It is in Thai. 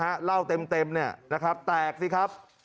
เหล้าเต็มเนี่ยนะครับแตกสิครับ